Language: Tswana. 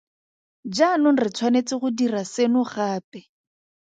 Jaanong re tshwanetse go dira seno gape.